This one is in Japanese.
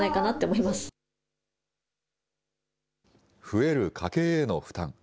増える家計への負担。